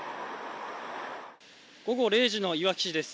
午後０時のいわき市です。